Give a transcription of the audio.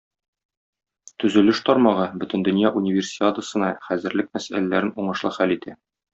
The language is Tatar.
Төзелеш тармагы Бөтендөнья Универсиадасына хәзерлек мәсьәләләрен уңышлы хәл итә.